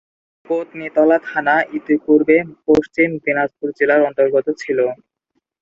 পত্নীতলা থানা ইতিপূর্বে পশ্চিম দিনাজপুর জেলার অন্তর্গত ছিল।